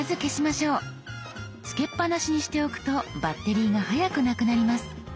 つけっぱなしにしておくとバッテリーが早くなくなります。